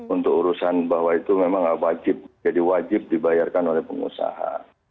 untuk urusan bahwa itu memang nggak wajib jadi wajib dibayarkan oleh pengusaha